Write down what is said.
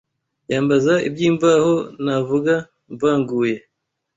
Yambaza iby’imvaho Navuga mvanguye